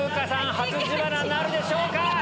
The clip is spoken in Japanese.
初自腹でしょうか